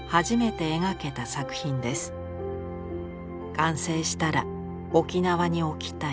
完成したら沖縄に置きたい。